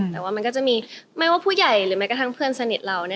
แต่ว่ามันก็จะมีไม่ว่าผู้ใหญ่หรือแม้กระทั่งเพื่อนสนิทเรา